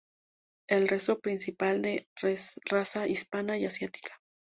El resto principalmente de raza hispana y asiática.